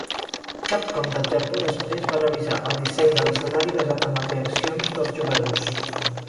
Capcom del Japó després va revisar el disseny de l'escenari basat en les reaccions dels jugadors.